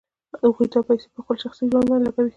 هغوی دا پیسې په خپل شخصي ژوند باندې لګوي